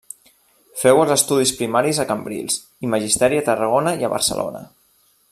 Féu els estudis primaris a Cambrils, i Magisteri a Tarragona i a Barcelona.